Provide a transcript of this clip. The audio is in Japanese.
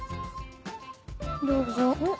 どうぞ。